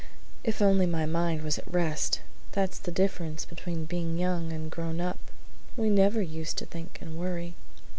"If only my mind was at rest! That's the difference between being young and grown up. We never used to think and worry."